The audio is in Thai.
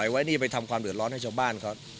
ไว้นี่ไปทำความเดือดร้อนให้ชาวบ้านเขา